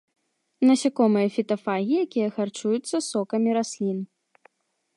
Насякомыя-фітафагі, якія харчуюцца сокамі раслін.